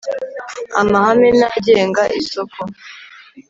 AMAHAME N AGENGA ISOKO